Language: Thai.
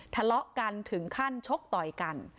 ทะเลาะกันถึงขั้นชกต่อยกัน